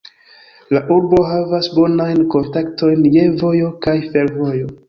La urbo havas bonajn kontaktojn je vojo kaj fervojo.